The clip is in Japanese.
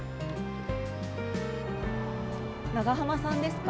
長浜さんですか？